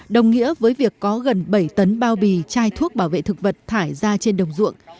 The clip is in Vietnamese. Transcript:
đồng nghĩa với việc có gần bảy tấn bao bì chai thuốc bảo vệ thực vật thải ra trên đồng ruộng